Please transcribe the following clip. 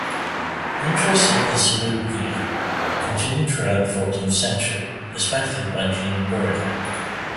Interest in "insolubilia" continued throughout the fourteenth century, especially by Jean Buridan.